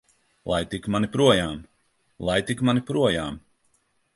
Laid tik mani projām! Laid tik mani projām!